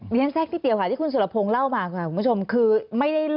เมียแซมแซคที่เดียวก่อนดิที่คุณสุดท้อพงฟ์เล่ามาคุณผู้ชม